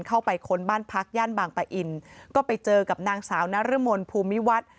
ค้นบ้านพักย่านบางปะอินก็ไปเจอกับนางสาวนรมนภูมิวัฒน์